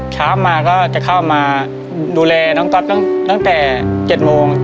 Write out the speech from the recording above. เช้ามาก็จะเข้ามาดูแลน้องก๊อฟตั้งแต่๗โมง